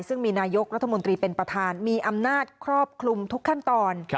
ซึ่งมีนายกรัฐมนตรีเป็นประธานมีอำนาจครอบคลุมทุกขั้นตอน